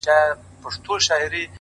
o چي كله مخ ښكاره كړي ماته ځېرسي اې ه،